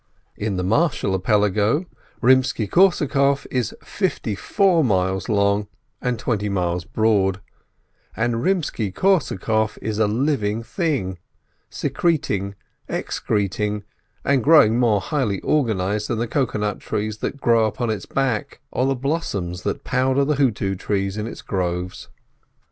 In the Marshall Archipelago, Rimsky Korsacoff is fifty four miles long and twenty miles broad; and Rimsky Korsacoff is a living thing, secreting, excreting, and growing—more highly organised than the cocoa nut trees that grow upon its back, or the blossoms that powder the hotoo trees in its groves.